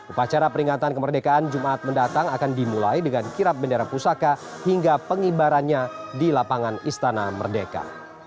upacara peringatan kemerdekaan jumat mendatang akan dimulai dengan kirap bendera pusaka hingga pengibarannya di lapangan istana merdeka